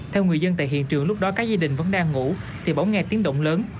theo người dân tại hiện trường lúc đó các gia đình vẫn đang ngủ thì bỏng nghe tiếng động lớn